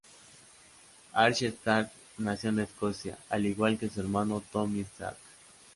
Archie Stark nació en Escocia, al igual que su hermano Tommy Stark.